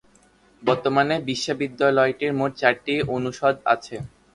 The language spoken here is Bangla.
বর্তমানে বিশ্ববিদ্যালয়টির মোট চারটি অনুষদ আছে।